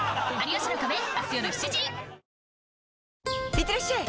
いってらっしゃい！